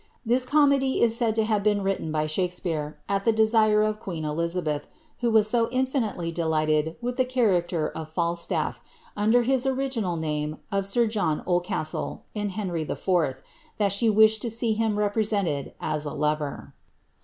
This comedy is said to have been written by Shakspeare, at the desire of queen Elizabeth, who was so iofiniteiy delighted with the character of Falsta^* under his original Bame of Sir John Oldcastle, in Henry IV., that she wished to see him represented as a lover.